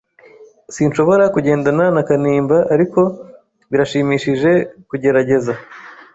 Sinshobora kugendana na Kanimba, ariko birashimishije kugerageza.